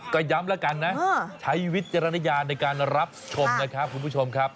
ก็ย้ำแล้วกันนะใช้วิจารณญาณในการรับชมนะครับคุณผู้ชมครับ